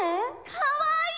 かわいい！